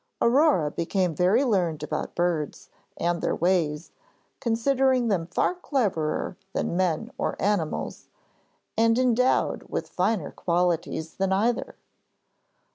Aurore became very learned about birds and their ways, considering them far cleverer than men or animals, and endowed with finer qualities than either.